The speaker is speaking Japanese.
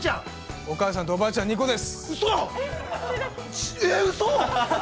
◆お母さんとおばあちゃん２個です。